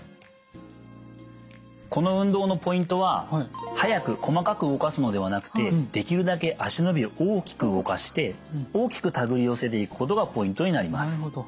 この運動のポイントは速く細かく動かすのではなくてできるだけ足の指を大きく動かして大きくたぐり寄せていくことがポイントになります。